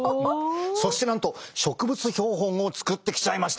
そしてなんと植物標本を作ってきちゃいました。